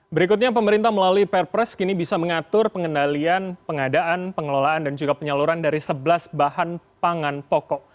berikutnya pemerintah melalui perpres kini bisa mengatur pengendalian pengadaan pengelolaan dan juga penyaluran dari sebelas bahan pangan pokok